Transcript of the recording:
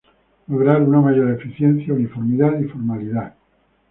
Lograr una mayor eficiencia, uniformidad y formalidad.